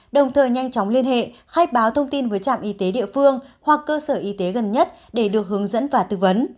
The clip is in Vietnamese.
đồng thời nhanh chóng liên hệ khai báo thông tin với trạm y tế địa phương hoặc cơ sở y tế gần nhất để được hướng dẫn và tư vấn